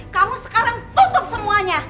kamu sekarang tutup semuanya